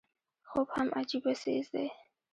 خوب هم عجيبه څيز دی